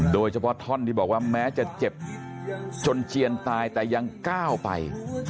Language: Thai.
โดยเฉพาะท่อนที่บอกว่าแม้จะเจ็บจนเจียนตายแต่ยังก้าวไป